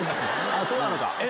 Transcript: そうなのか。